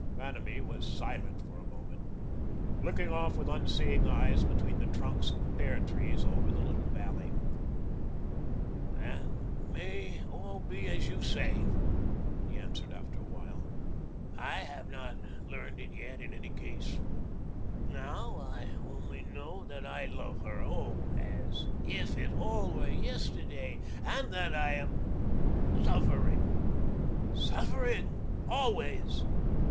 Vanamee was silent for a moment, looking off with unseeing eyes between the trunks of the pear trees, over the little valley. "That may all be as you say," he answered after a while. "I have not learned it yet, in any case. Now, I only know that I love her oh, as if it all were yesterday and that I am suffering, suffering, always."